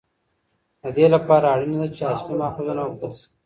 د دې لپاره اړینه ده چې اصلي ماخذونه وکتل شي.